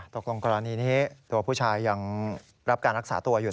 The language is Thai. กรณีนี้ตัวผู้ชายยังรับการรักษาตัวอยู่